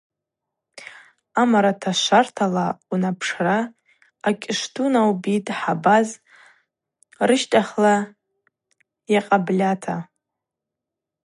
Амараташвартала уанпшра Акӏьышвду наубитӏ Хӏабаз рыщхъа йакъабльата.